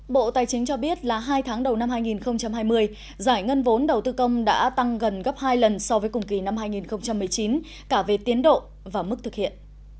bộ tài chính cho biết là hai tháng đầu năm hai nghìn hai mươi giải ngân vốn đầu tư công đã tăng gần gấp hai lần so với cùng kỳ năm hai nghìn một mươi chín cả về tiến độ và mức thực hiện